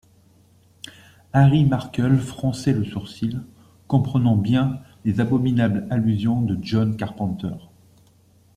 Harry Markel fronçait le sourcil, comprenant bien les abominables allusions de John Carpenter.